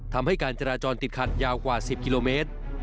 ทำให้การจราจรติดขัดยาวกว่า๑๐กิโลเมตร